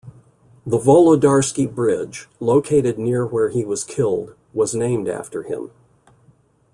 The Volodarsky Bridge, located near where he was killed, was named after him.